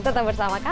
tetap bersama kami